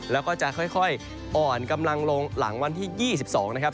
แล้วก็จะค่อยอ่อนกำลังลงหลังวันที่๒๒นะครับ